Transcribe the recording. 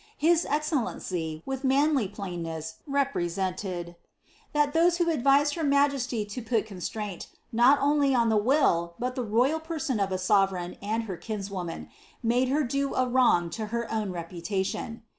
His excellency, with manly plainness, represented, ^ that those who advised her majesty lo ptil con.straint, not only on the will, bol lk< Toval person of a sovereign and her kinswoman, made her do a wrong to her own repiitaiion."